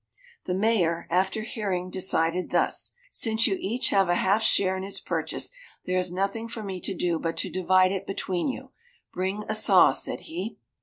The Mayor, after hearing, decided thus: "Since you each have a half share in its purchase, there is nothing for me to do but to divide it between you. Bring a saw," said he.